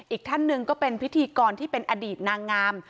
อีกท่านหนึ่งก็เป็นพิธีกรที่เป็นอดีตนางงาม